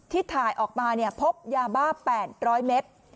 ที่ถ่ายออกมาพบยาบ้า๘๐๐เมตร